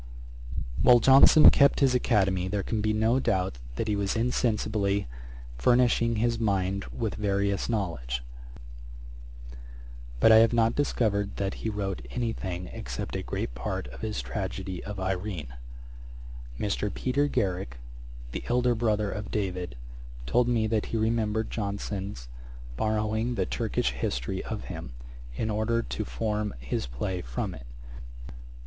While Johnson kept his academy, there can be no doubt that he was insensibly furnishing his mind with various knowledge; but I have not discovered that he wrote any thing except a great part of his tragedy of Irene. Mr. Peter Garrick, the elder brother of David, told me that he remembered Johnson's borrowing the Turkish History of him, in order to form his play from it.